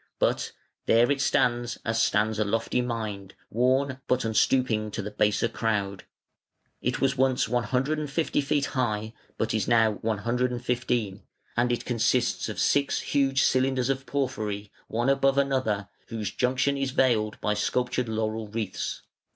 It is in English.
But "there it stands, as stands a lofty mind, Worn, but unstooping to the baser crowd". It was once 150 feet high, but is now 115, and it consists of six huge cylinders of porphyry, one above another, whose junction is veiled by sculptured laurel wreaths.